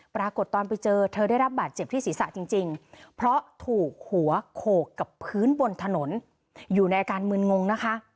ปรากฏตอนไปเจอเธอได้รับบาดเจ็บที่ศีรษะจริงเพราะถูกหัวโขกกับพื้นบนถนนอยู่ในอาการมืนงงนะคะ